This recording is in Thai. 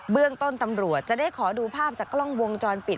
เรื่องต้นตำรวจจะได้ขอดูภาพจากกล้องวงจรปิด